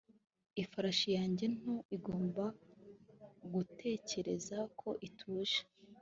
Ifarashi yanjye nto igomba gutekereza ko ituje